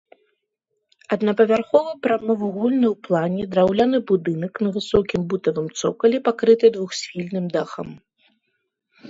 Аднапавярховы прамавугольны ў плане драўляны будынак на высокім бутавым цокалі пакрыты двухсхільным дахам.